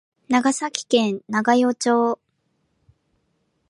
長崎県長与町